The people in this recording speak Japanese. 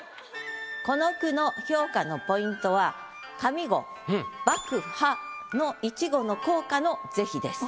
この句の評価のポイントは上五「爆破」の一語の効果の是非です。